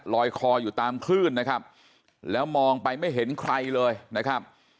คออยู่ตามคลื่นนะครับแล้วมองไปไม่เห็นใครเลยนะครับ